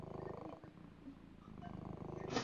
当时工人师傅的成分要比知识分子好得多。